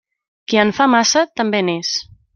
Qui en fa massa, també n'és.